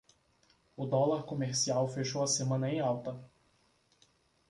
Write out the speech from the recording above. O dólar comercial fechou a semana em alta